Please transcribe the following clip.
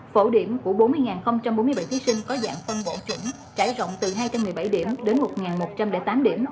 phổ điểm của bốn mươi bốn mươi bảy thí sinh có dạng phân bộ chuẩn trải rộng từ hai trăm một mươi bảy điểm đến một một trăm linh tám điểm